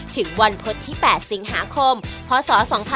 ถึงวันพุธที่๘สิงหาคมพศ๒๕๖๒